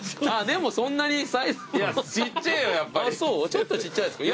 ちょっとちっちゃいですか。